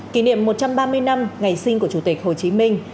kỷ niệm một trăm ba mươi năm ngày sinh của chủ tịch hồ chí minh